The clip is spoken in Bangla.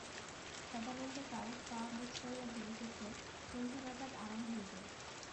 সদানন্দ কাল পা মুচড়াইয়া বলিতেছে, সন্ধ্যা নাগাদ আরাম হইবে।